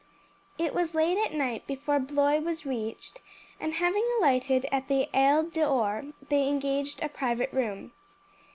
It was late at night before Blois was reached, and having alighted at the Aigle d'Or they engaged a private room.